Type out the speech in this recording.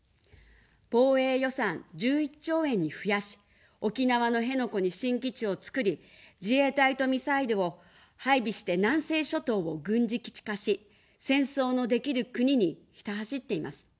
防衛予算１１兆円に増やし、沖縄の辺野古に新基地を造り、自衛隊とミサイルを配備して、南西諸島を軍事基地化し、戦争のできる国にひた走っています。